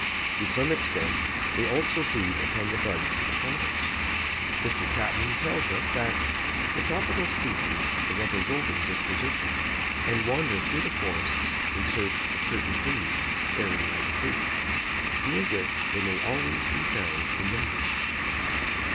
To some extent they also feed upon the buds of flowers. Mr. Chapman tells us that "the tropical species are of a roving disposition, and wander through the forests in search of certain trees bearing ripe fruit, near which they may always be found in numbers."